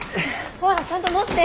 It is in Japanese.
ほらちゃんと持って。